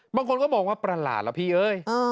บางคนก็มองว่าประหลาดล่ะพี่เอ้ย